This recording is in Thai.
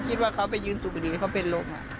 คิดว่าเขาไปยืนสูบบุหรี่ให้เขาเป็นลม